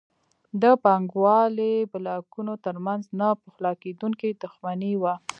د پانګوالۍ بلاکونو ترمنځ نه پخلاکېدونکې دښمني وه.